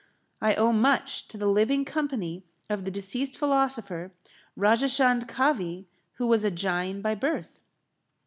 I owe much to the living company of the deceased philosopher, Rajachand Kavi, who was a Jain by birth.